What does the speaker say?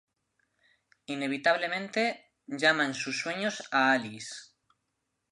Inevitablemente llama en sus sueños a Alice.